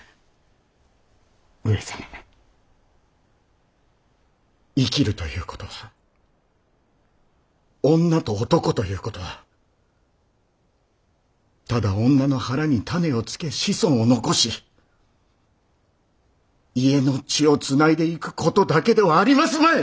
上様生きるということは女と男ということはただ女の腹に種をつけ子孫を残し家の血をつないでいくことだけではありますまい！